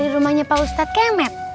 rumahnya pak ustadz kemet